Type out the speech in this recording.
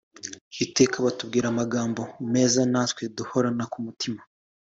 Iteka batubwira amagambo meza natwe duhorana ku mutima